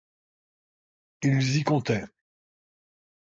Ils y comptaient.